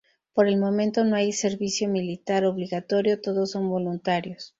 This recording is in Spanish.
Por el momento no hay servicio militar obligatorio, todos son voluntarios.